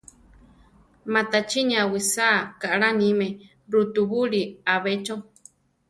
Matachíni awisáa kaʼlá níme rutubúli ‘a be cho.